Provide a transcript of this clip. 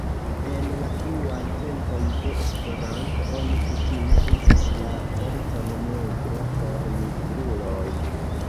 En la fruaj tempoj de Esperanto, oni kutime uzis la vorton negro por nigruloj.